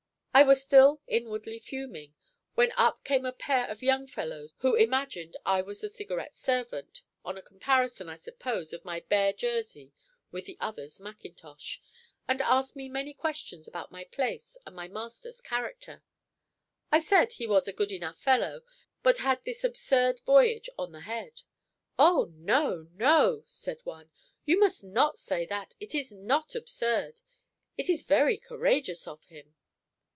I was still inwardly fuming, when up came a pair of young fellows, who imagined I was the Cigarette's servant, on a comparison, I suppose, of my bare jersey with the other's mackintosh, and asked me many questions about my place and my master's character. I said he was a good enough fellow, but had this absurd voyage on the head. 'O no, no,' said one, 'you must not say that; it is not absurd; it is very courageous of him.